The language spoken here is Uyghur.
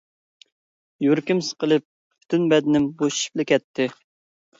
يۈرىكىم سىقىلىپ، پۈتۈن بەدىنىم بوشىشىپلا كەتتى.